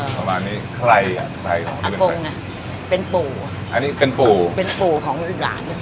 ประมาณนี้ใครอ่ะใครอ่ะเป็นปู่อันนี้เป็นปู่เป็นปู่ของอีกหลาน